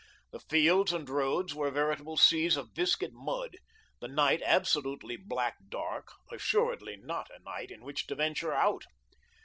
The fields and roads were veritable seas of viscid mud, the night absolutely black dark; assuredly not a night in which to venture out.